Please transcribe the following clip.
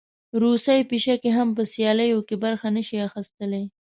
روسۍ پیشکې هم په سیالیو کې برخه نه شي اخیستلی.